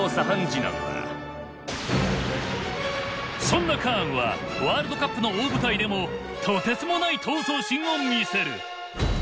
そんなカーンはワールドカップの大舞台でもとてつもない闘争心を見せる。